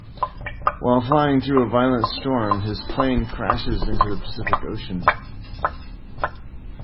While flying through a violent storm, his plane crashes into the Pacific Ocean.